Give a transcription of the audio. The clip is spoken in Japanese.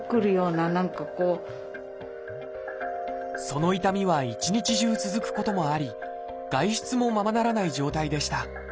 その痛みは一日中続くこともあり外出もままならない状態でした。